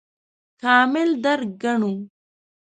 کامل درک ګڼو.